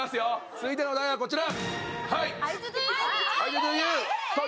続いてのお題はこちら！